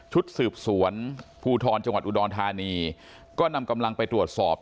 ชุดสืบสวนภูทรจังหวัดอุดรธานีก็นำกำลังไปตรวจสอบ